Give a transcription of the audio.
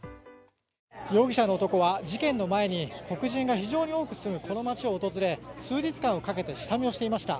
容疑者の男は事件の前に黒人が非常に多く住むこの街を訪れ数日間かけて下見をしていました。